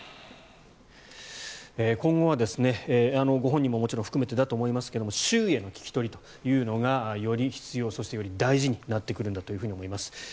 今後はご本人ももちろん含めてだと思いますが周囲への聞き取りというのがより必要そして、より大事になってくるんだと思います。